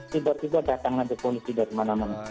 tiba tiba datang ada polisi dari mana mana